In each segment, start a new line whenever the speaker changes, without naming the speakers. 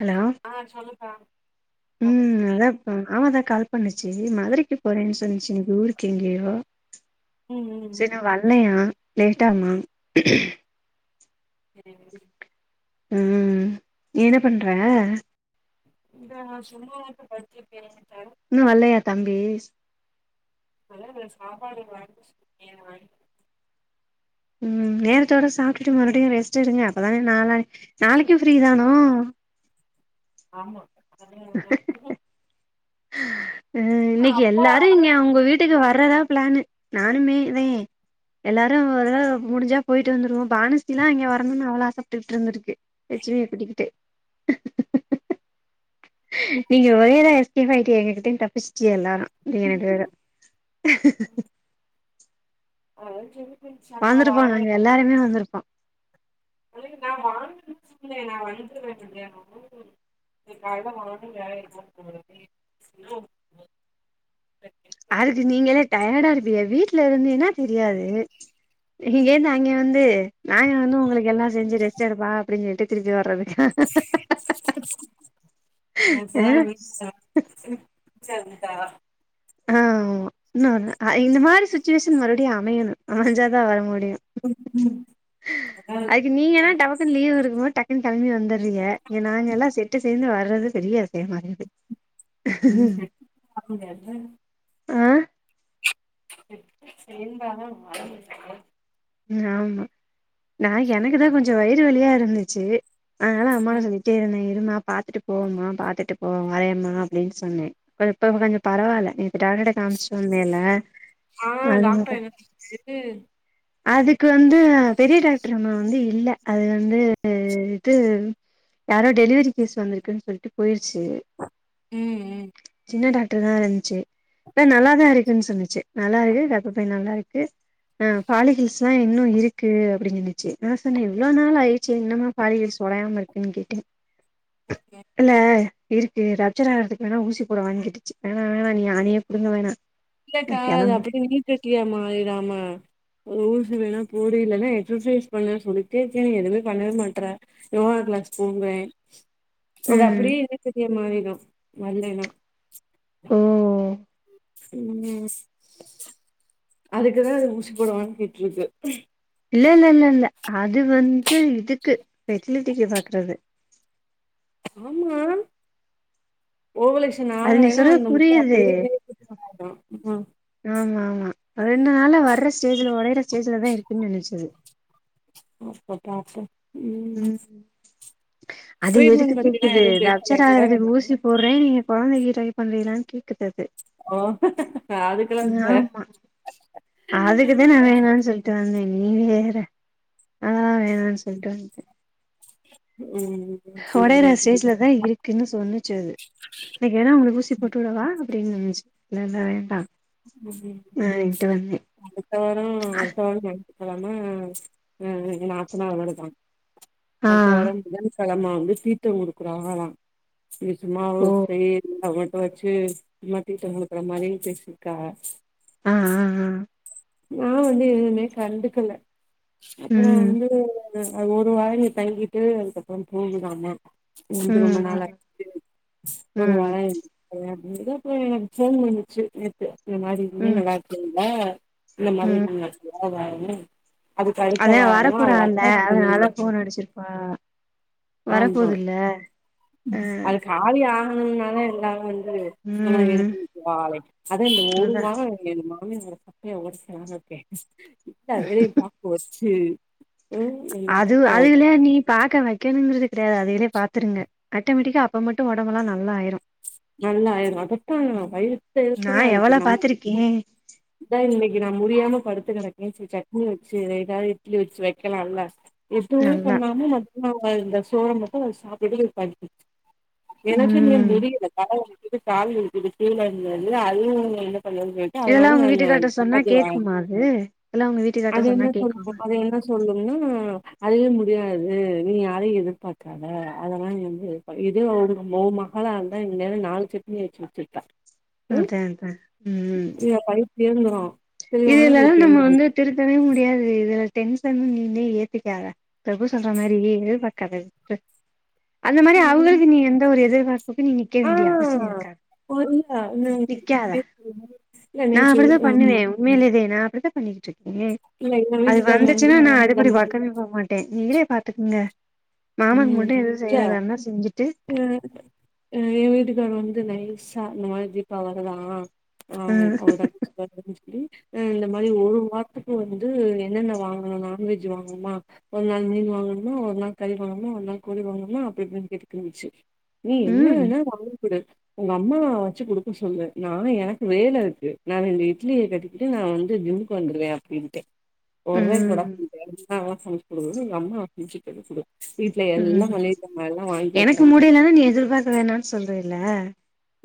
Hello
ஆ சொல்லுப்பா என்ன
ம்
பண்றீங்க
அதான் மாமாதான் கால் பண்ணுச்சு மதுரைக் எ போறேன்னு சொன்னச்சு எங்க ஊருக்கு எங்கேயோ
ம் ம்
சரி ந வல்லையா லேட்டாகுமா
சரிங்க.
ம் நீ என்ன பண்ற
இந்த சோமவார பாத்திப்பிபே
இன்னு வல்லையா தம்பி
அதல்ல சாப்பாடு வாங்க சொல்லி வாங்கி
உம் நேரத்தோட சாப்பிட்டுட்டு மறுபடியு ரெஸ்ட்டு எடுங்க அப்பதானே நாலா நாளைக்கு ஃப்ரீ தானா
ஆமா அது ஒரு-
[inaudible] ம் இன்னைக்கு
அப்பா
எல்லாரு இங்க உங்க வீட்டுக்கு வர்றதா பிளானு நானுமே இதே எல்லாரு வர முடிஞ்சா போயிட்டு வந்துருவோ பானு எல்லாம் அங்க வரணும்னு அவ்வளோ ஆசைப்பட்டுட்டு இருந்திருக்கு. [unintelligible] நீங்க ஒரேதா எஸ்கேப் ஆயிட்டீங்க எங்க கிட்டந் தப்பிச்ட்டீய எல்லாரு இங்கனட்டு வேற
ஆ ஜூமி
வந்துருப்பாங்க இங்க எல்லாருமே வந்துருப்போ
அதுக்கு நா வான்னு சொன்னே நா வந்துருவேனாங்க நீ கால்ல போனவாட்டி வேலைக்கு போ [unintelligible]
ட்ல இருந்தீனா தெரியாது ம்ச் இங்கேந்து அங்க வந்து நாங்க வந்து உங்களுக் எல்லா செஞ்சி ரெஸ்ட் எடுப்பா அப்டின் சொல்ட்டு திருப்பி வர்றது ஆ
என்னாங் சார் சங்தா
ஆமா இன்னொரு ஆ இந்த மாரி சுச்சுவேஷன் மறுபடியு அமையனு அமஞ்சாதா வர முடியு
ம்.
அதுக்கு நீங்க தா
அதான்.
டபுகுன் லீவ் இருக்கு போது டக் டக்குன் கெளம்பி வந்துறீங்க இங்க நாங்க எல்லா செட்டு சேந்து வர்றது பெரிய விசயமா இருக்குது
ம் ம்
ஆ
செம்பாதா வளந்திருக்கு
ம் ஆமா நா எனக்கு தா கொஞ்ச வயிறு வலியா இருந்துச்சி அதனால அம்மாட
ம்
சொல்லிட்டே இருந்தே இருமா பாத்துட்டு போவோமா பாத்துட்டு போ வரையமா அப்டின் சொன்னே ப்ப இப்ப கொஞ்ச பரவால்ல இப்ப டாக்டர்ட காமிச்சோமேல அது தா பா
ம்
அதுக்கு வந்து பெரிய டாக்டர் அம்மா வந்து இல்ல அது வந்து இட்டு யாரோ டெலிவரி கேஸ் வந்திருக்குன் சொல்ட்டு போய்ருச்சி
ம் ம்
சின்ன டாக்டர் தா இருந்ச்சி இல்ல நல்லாதா இருக்குன் சொன்னிச்சி நல்லா இருக்கு கர்பப்பை நல்லா இருக்கு ஆ பாலிஹிள்ஸ்லா இன்னு இருக்கு அப்டின் சொல்லுச்சி நா சொன்னே எவ்ளோ நாள் ஆயிச்சி இன்னமா பாலிகள்ஸ் ஒடையாம இருக் ம் கேட்டின் இல்ல இருக்கு ரப்ச்சர் ஆகறதுக் வேணா ஊசி போடவான் கேட்டுச்சு வேணா வேணா நீ ஆணியே புடுங்க வேணா நா
இல்லக்கா அது
கெளம்பு
அப்டியே நீர் கட்டியா மாறிறாம ஒரு ஊசி வேணா போடு இல்லனா எக்சசைஸ் பண்ணு சொல்லிட்டே இருக்க நீ எதுமே பண்ணவே மாட்ற யோகாக்கு தூங்றே அது
ம்
அப்டியே என்னய மாறியே மாறிடு வல்லைனா
ம்
ம் அதுக்குதா அது ஊசி போடவான் கேட்ருக்கு
இல்ல இல்ல இல்ல இல்ல அது வந்து இதுக்கு ஃபெர்டிலிடிக்கு பாக்கறது
ஆமா
அது நீ
நாங்களன்னா
சொல்றது
அந்த முட்டை
புரியுது
அப்படியே
ஆமா ஆமா ரெண்டு நாள்ல வர்ற ஸ்டேஜ்ல ஓடையிற ஸ்டேஜ்லதா இருக்குன்னு நெனச்சது
ம்ச் அப்ப பாப்போ ம்
உம் அது எதுக்கு
ட்ரீட்மெண்ட் பத்திலா
கேக்குது
எதுவு
அபச்சர்
பேசலைல
ஆகுறதுக்கு ஊசி போடுறே நீ கொழந்தைக்கு ட்ரை பண்ணறீங்களான்னு கேட்குது அது
ஓ அதுக்கெல்லா ச
ஆமா அதுக்குதா நா வேணானு சொல்லிட்டு வந்தே நீ வேற ஆ வேணானு சொல்லிட்டு வண்டே
ம் சேரி
ஒடையிர ஸ்டேஜ்லதா இருக்குன்னு சொன்னுச்சு அது இன்னைக்கு ஏனா அவங்களுக்கு ஊசி போட்டு விடவா அப்படின்னு சொன்னிச்சு இல்லல்ல வேண்டா
உம்
ஆ இன்ட்டு வந்தே
அடுத்த வாரோ அடுத்த வாரோ நைட்டு கெழம ம்ச் ஆ ஏ நாத்தநார் வருதா
ஆ
அடுத்த வரோம் ம் கிழமே வந்து தீத்தம் கொடுக்குறாங்கலா இ சும்மாவ
ஓ
செ வந்து இப்ப வச்சு மத்திட்டங்கக்குற மாரி பேசிருக்கா
ஆ ஆ ஆ
நா வந்து எதுமே கண்டுக்குல அப்புறோ
ம்
வந்து ஒரு வாரோ இங்க தங்கிட்டு அதுக்கப்புறோ போகுதாம வந்து ரொம்ப நாள்
ம்
ஆச்சு ஒரு
ம்
வாரோ இருந்துட்டு போரே கா அப்புறோ எனக்கு போன் பண்ணிச்சு நேத்து இந்த மாரி மீன்
ம்
விளா்கல்ல இந்த மாரி
ம்
நீங்க ஸ்டாராங் ஆவாவு
அதா வரப்போர இல்ல
வெளில
அதனால போன் அடிச்சிருப்பா வர
ஆமா
போதில்ல
அது காலி ஆகணும்னால எல்லாமே வந்து நம்ம
ம்
எடுத்து வெக்கவாலா இந்த ஒரு
அதா
வாரோ என்ன மா சாமி மேலே சத்தியோ ஒடைக்குலான்னு இருக்கே இல்ல அதுலையு பாக்கு வெச்சு
அது அதுல்லா நீ பாக்க வ கணுங்கிறது கிடையாது அதையிலேயே பாத்துருங்க ஆட்டோமேட்டிக்கா அப்போ மட்டும் ஓடம்பல்லா நல்லா ஆயிரு
நல்லாயயிரு அதத்தா வயிறத்த
நா
இருக்கத ஆயிரு
எவ்வள
நம்ம
பாத்திருக்கே
இதா இன்னைக்கு நா முடியாம படு படுத்துக் கேடக்கே சட்னி வச்சு ஏதாவது இட்லி வச்சு வைக்கலால்ல எதுவுமே
நல்லா
பண்ணாம ம அவங்க இந்த சோற மட்டு அத சாப்புட்டுட்டு போயி படுத்துச்சு எனக்கு மே
ம்
முடியல தல கால் இருது கீழ இருந்தது அதுவும் என்ன சொல்லனு வண்டு அதனால
இதெல்லா உங்க
நா இந்த
வீட்டுக்கார்ட்ட சொன்னா
சப்பாத்தி வா
கேக்குமா அது இதெல்லா உங்க வீட்டுக்கார்ட்ட
அது
சொன்னா
என்ன
கேக்குமா
சொல்லும் என்ன சொல்ல ன்னா அதுவே முடியாது நீ யாரையு எதிர்பாக்காத அதெல்லா வந்து இதே ஒரு உ மகளா இருந்தா இந்த நேரோ நாலு சட்னி அரச்சி வச்சிருப்பா
அதா அதா உம்
இருந்துரு
இதுலல்லா நம்ம வந்து திருத்தவே முடியாது இதுல டென்ஷன் நீங்களே ஏத்திக்காத பிரபு சொல்ற மாரி எதிர்பாக்காத விட்ரு அந்த மாரி அவங்களுக்கு நீ எந்த ஒரு எதி பாத்து நிக்க
ஆ
வேண்டிய அவசியோ இருக்காது
ஒரு இல்ல நான்
நிக்காத
இல்ல
நா
நேத்து
அப்படிதா பண்ணுவே
ம்
உண்மையில அதே நா அப்படித்தா பண்ணிட்டு இருக்க
இல்ல எங்க
அது
வீட்டுக்காரர் வந்து
வந்துச்சுன்னா நா
இந்த
அடுப்படி
மாரி
பக்கமே போ மாட்டே நீங்களே பாத்துகுங்க மாமாக்கு
ம்
மட்டு எது
இல்ல
செய்யறதனா செஞ்சுட்டு
அ எ வீட்டுக்காரு வந்து நை சா நம தீபா வருதா அவ தங்கச்சி பர்த்டே சொல்லி இந்த மாதிரி ஒரு வாரத்துக்கு வந்து என்னென்ன வாங்கணு நான்வெஜ் வாங்கணுமா ஒரு நாள் மீ வாங்கணும்னா ஒரு நா கறி வாங்கனுமா ஒரு நாள் கோழி வாங்கனுமா அப்படி இப்படின்னு கேட்டுக்கிட்டு இருந்துச்சு நீ
ம்
என்ன
ம்
வேனா வாங்கிகுடு உங்க அம்மாா வச்சு குடுக்க சொல்லு நா எனக்கு வேல இருக்கு நா ரெண்டு இட்லிய கட்டிகிட்டு நா வந்து ஜிம்முக்கு வந்துருவ அப்படின்டே ஒரே
ம்
[unintelligible] எல்லா
ம்
மளிக ஜாமான்லா வாங்கி
எனக்கு
வச்சாச்சு
முடியலன்னா நீ எதிர்பார்க்க வேணான்னு சொல்றல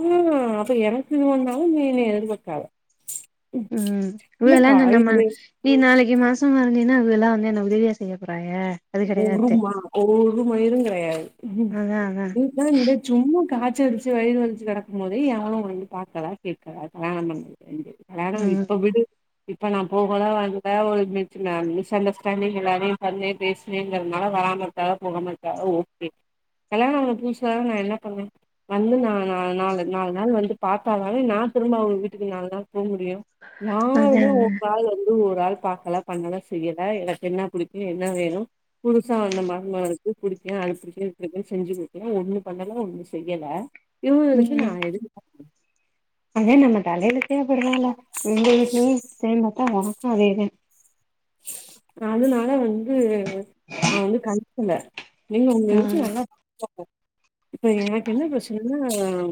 ம் அப்ப எனக்கு இது வந்தாலும் நீ என்ன எதிர்பாக்காத
ம் இவலளா
இல்லக்கா
நம்பாத
இது
நீ நாளைக்கு மாச மாசம்மா வந்தைன்னா இவுகளா வந்து என்ன உதவியா செய்ய போறாக அது கெடையாது ! ! ! ! ! ! ! ! ! ! அதா ! ! அதா ! ! ! ! ! ! !
வச்ச வச்சு வயிறு வலிச்சு கெடக்கு போதே எவளு வந்து பாக்கல கேட்கல வேணான்னு வந்து வேனா
ம்
இப்ப விடு இப்ப நா போகல வந்த ஒரு மிஸ் மிஸ் அண்டர்ஸ்டாண்டிங் எல்லாரையு வந்தே பேச அப்படிங்கறனால வராமருக்க போகாமருக்க ஓகே கல்யாண ஆன புதுசுல நா என்ன பண்ணே வந்து நா நாலு நாளு நாலு நாள் வந்து பாத்தா தான நா திரும்ப அவுங்க வீட்டுக்கு நாலு நாள் போக முடியு
அதா
யாருமே
அதா
உங்காளு து ஒரு ஆள் பாக்கல பண்ணல செய்யல எனக்கு என்ன புடிக்கு என்ன வேணு புதுசா வந்த மருமகளுக்கு புடிக்கு அது புடிக்கு செஞ்சு குடுக்கல ஒண்ணு பண்ணல ஒண்ணு செய்யல இவுகளுக்கு நா எதுக்கு
ஏ நம்ம தலையெழுத்தே அப்படி தாண்டா எங்க வீட்லயு சேந்தாத்தா உனக்கு அதேதா
அதுனால வந்து நா வந்து கண்டுகல ஏங்க உங்க
ம்
வீட்ல [unintelligible] இப்ப எனக்கு என்ன பிரச்சனா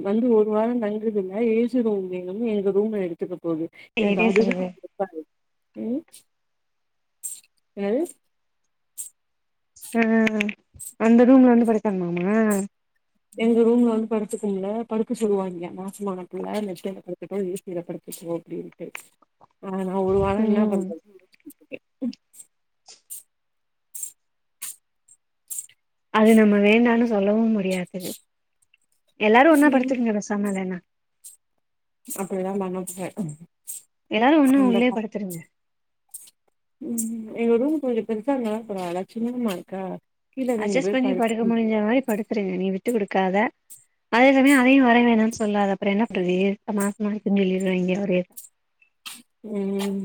வந்து ஒரு வாரம் தங்குதுல ஏசி ரூம் வேணுனு எங்க ரூம எடுத்துக்கு போகு எனக்கு
இதே
அதுதா
சொல்லுது
[unintelligible] ம் என்ன து
அ அந்த ரூம்ல வந்து படுப்பாங்கலாமா
எங்க ரூம்ல வந்து படுத்துக்கும்ல படுக்க சொல்லுவாய்ங்க மாசமான புள்ள மெத்தைல படுத்துக்க ஏசியில படுத்துக்க ஓ அப்டி இருக்க ஆனா ஒரு வாரம் என்னா
ம்
பண்றது
அது நம்ம வேண்டான்னு சொல்லவும் முடியாது எல்லாரு ஒன்னா படுத்துகுங்க பேசாம இல்லைனா
அப்படிலா பண்ண முடியாது
எல்லாரு ஒன்னா
அந்த
உள்ளயே
[unintelligible]
படுத்துருங்க
ம் எங்க ரூம் கொஞ்ச பெருசா இருந்தாலு பரவால்ல சின்ன ரூமா இருக்கா கீழ ரெண்டு
அட்ஜஸ்ட்
பேர்
பண்ணி படுக்க
படுத்து
முடிஞ்ச மாரி படுத்துறங்க நீ விட்டு குடுக்காத அதே சமயம் அதையும் வர வேணாம் சொல்லாத அப்புற என்ன பண்றது மார்ச் மாசம் சொல்லிருவாங்க ஒரே
ம்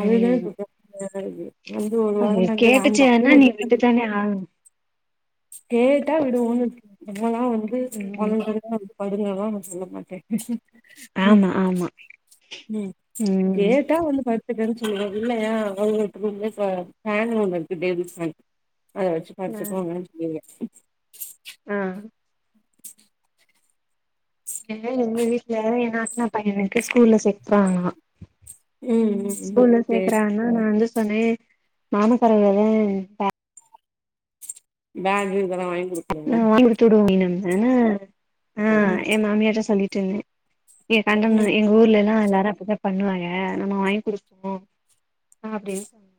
அதுதா
ம்
இப்ப பிரச்சன சரி வந்து ஒரு
அது
வாரம் தங்கவேண்டா அது
கேட்டுச்சுன்னா நீ
மட்டும்
விட்டுத்தானே ஆகணு
கேட்டா விடுவோனுருக்கு நம்மலா வந்து
ம்
வளர்ந்தது படுங்கதா நா சொல்ல மாட்டே ம்
ஆமா ஆமா
ம்
ம்
கேட்டா வந்து படுத்துக்கற இல்லையா அவங்க ரூம்ல இப்போ ஃபேண் ஒண்ணு இருக்கு டேபுள் ஃபேண் அத வெச்சு படுத்துக்குவாங்க தெரியலயே
அ ஏங்க எங்க வீட்டுல வேற என் நாத்தனார் பையனுக்கு ஸ்கூல்ல சேக்ராங்கலா
ம் ம் ம்
ஸ்கூல்ல
சேரி
சேக்கராங்கனா நா வந்து சொன்னே நானு [unintelligible]
பேகு இது எல்லா வாங்
நா வாங்கி குடுத்துடுவோ அப்டின்னுருந்தே ஆ
ம்
என் மாமியார்ட்ட சொல்லிட்டு இருந்தே எ கண்டண்டு
ம்
எங்க ஊர்ல இரு க எல்லாரு அப்டித்தா பண்ணுவாங்க நம்ம வாங்கி குடுப்போ ஆ அப்டின்னு சொன்னே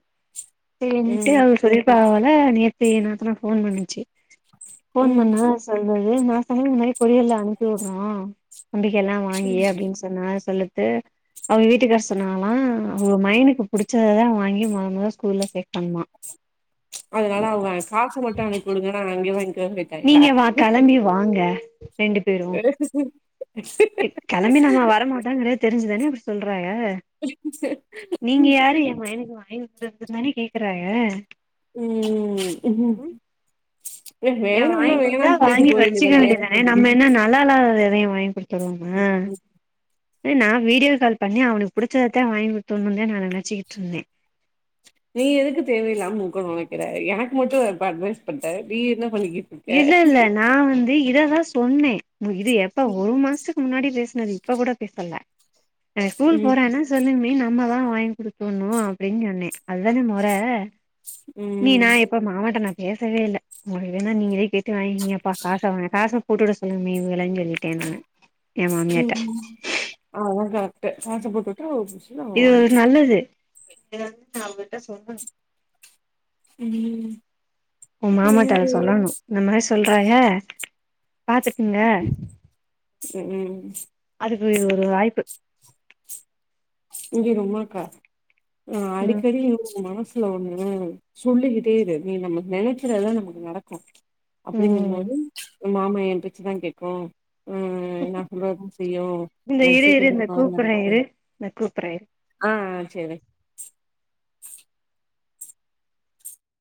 சேரின்ட்டு
ம்
அவுங்க சொல்லியிருப்பாங்க போல நேத்து என் நாத்தனா ஃபோன் பண்ணுச்சி ஃபோன்
ம்
பண்ணது அவ சொல்றது நா சொன்னே இந்த மாரி கொரியர்ல அனுப்பி விட்றோ தம்பிக்கி எல்லா வாங்கி அப்டின்னு சொன்னேனா நா சொல்றத்து அவுங்க வீட்டுக்கார் சொன்னாங்களா அவுங்க மையனுக்கு புடிச்சததா வாங்கி மொத மொதல்ல ஸ்கூல்ல சேக்கனுமா
[unintelligible] அதனால அவங்க காச மட்டு அனுப்பி விடுங்க நா அங்கயே வாங்கிக்கிறேன்னு போயிட்டாங்களா
நீங்க வா கெளம்பி வாங்க ரெண்டு பேரு கெம்பி நாம்ப வர மாட்டாங்குறத தெரிஞ்சி தானே அப்டி சொல்றாரு அ நீங்க யாரு என் மயனுக்கு வாங்கி குடுக்கறது தானே கேக்குறாக
ம் ம்
ஏன் வாங்கி குடுத்தா வாங்கி
போ
வச்சுக்க
வேண்டியதானே
வேண்டியதுதானே நம்ம என்ன நல்லா இல்லாத எதயு வாங்கி குடுத்துருவோமா
[unintelligible]
நா வீடியோ கால் பண்ணி அவனுக்கு புடிச்சத தா வாங்கி குடுத்துவுட்னு தா நா நெனைச்
நீ எதுக்கு தேவையில்லாம குடுக்கனு நெனைக்கிற எனக்கு மட்டு அப்போ அட்வைஸ் பண்ட்ட நீ என்ன பண்ணிக்கிட்டு இருக்க
இல்ல இல்ல நா வந்து இததா சொன்னே இது எப்ப ஒரு மாசத்துக்கு முன்னாடி பேஸ் சனது இப்ப கூட பேசல நா ஸ்கூல்
ம்
போறான்னா சொல்லுகமி நா நம்மதா வாங்கி குடுக்கணு அப்டின்னு சொன்னே அதுதானே மொற நீ
ம்
நா இப்ப மாமாட்ட நா பேசவே இல்ல மொத வேன்னா நீங்களே கேட்டு வாங்கிகங்கபா காச வா காச போட்டு விட சொல்லுங்கமி இவகள சொல்லிட்டேன் நானு ஏ மாமியாட்ட
ம் ஆ உங்க அத்த காச போட்டு உட்டா ஒ
இது ஒரு நல்லது
ம்
ஒ மாமாட்ட அத சொல்லணு இந்த மாரி சொல்றாக பாத்துக்கங்க
ம்
தோ இது ஒரு வாய்ப்பு
இங்கே இரு உமாக்கா ஆ
ம்
அடிக்கடி உன் மனசு ல ஒன்னு சொல்லிக்கிட்டே இரு நீ நம்ம நெனைக்கிறதுதா நமக்கு நடக்கு அப்டியே
ம்
நின்னாலும் மாமா என் பேச்சுதா கேக்கோ ம் நா சொல்றதுதா செய்யு
இந்த
எனக்கு சீக்கிரமா காரியோ நடக்
பிரேயர்
சேரி